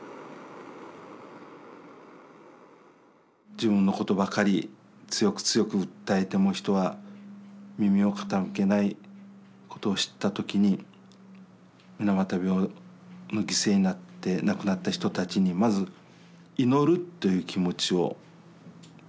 自分のことばかり強く強く訴えても人は耳を傾けないことを知った時に水俣病の犠牲になって亡くなった人たちにまず祈るという気持ちを持つことが大切だと。